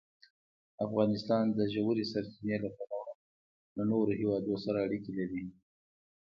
افغانستان د ژورې سرچینې له پلوه له نورو هېوادونو سره اړیکې لري.